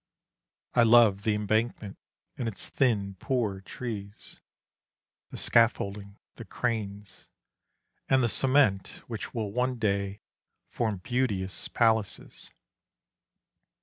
I love the Embankment and its thin poor trees ; The scaffolding, the cranes, and the cement Which will one day form beauteous Palaces.